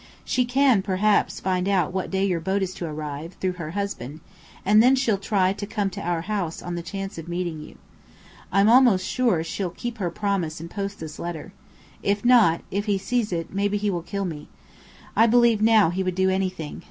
She can perhaps find out what day your boat is to arrive, through her husband, and then she'll try to come to our house on the chance of meeting you. I'm almost sure she'll keep her promise and post this letter. If not if he sees it, maybe he will kill me. I believe now he would do anything.